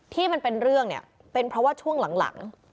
ที่มันเป็นเรื่องเนี่ยเป็นเพราะว่าช่วงหลัง